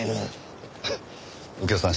右京さん